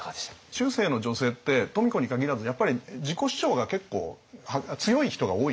中世の女性って富子に限らずやっぱり自己主張が結構強い人が多いんですよ。